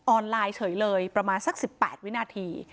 ไลน์เฉยเลยประมาณสัก๑๘วินาที